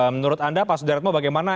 menurut anda pak sudarmo bagaimana